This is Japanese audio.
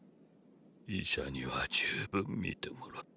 医者には充分診てもらった。